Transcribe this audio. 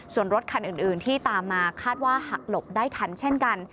ส่วนรถคันอื่นที่ตามมาคาดว่าหักหลบได้ทันเช่นกัน